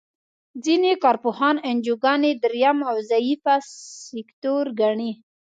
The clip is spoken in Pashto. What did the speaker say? ځینې کار پوهان انجوګانې دریم او ضعیفه سکتور ګڼي.